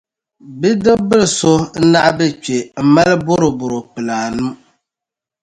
Bidib’ bil’ so n-naɣ’ be kpe m-mali bɔrobɔro kpila anu.